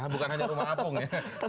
bukan hanya rumah apung ya